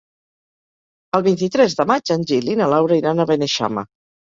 El vint-i-tres de maig en Gil i na Laura iran a Beneixama.